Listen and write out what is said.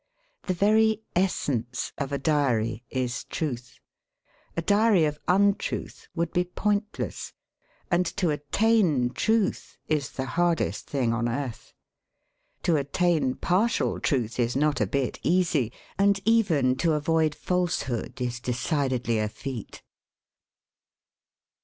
The very es sence of a diary is truth — a diary of untruth would be pointless— and to attain truth is the hardest thing on earth. To attain partial truth is not a bit easy, and even to avoid falsehood is decidedly a feat.